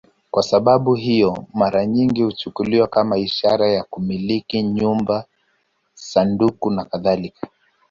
Kwa sababu hiyo, mara nyingi huchukuliwa kama ishara ya kumiliki nyumba, sanduku nakadhalika.